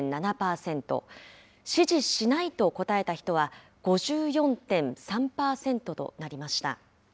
支持しないと答えた人は５４．３％となりました。